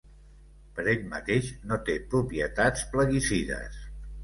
Per ell mateix no té propietats plaguicides.